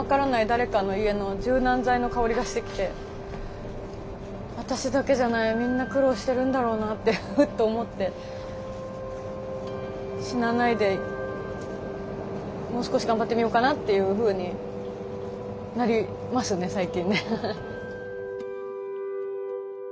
誰かの家の柔軟剤の香りがしてきて私だけじゃないみんな苦労してるんだろうなってふっと思って死なないでもう少し頑張ってみようかなっていうふうになりますね最近ね。